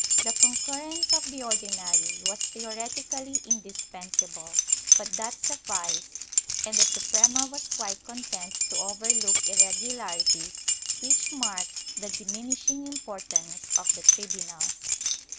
The concurrence of the Ordinary was theoretically indispensable, but that sufficed, and the Suprema was quite content to overlook irregularities which marked the diminishing importance of the tribunals.